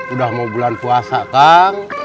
udah mau bulan puasa kang